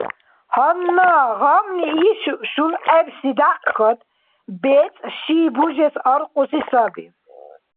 Гьанна гъамли иш шулгӀебси дякькад бецӀ ши бужес аркьуси саби.